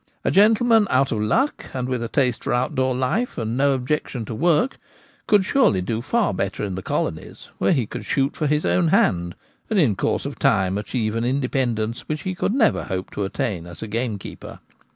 A gentleman 'out of luck/ and with a taste for outdoor life and no objection to work, could surely do far better in the colonies, where he could shoot for his ' own hand/ and in course of time achieve an independence, which he could never hope to attain as a gamekeeper.